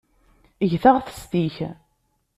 Eg taɣtest-ik.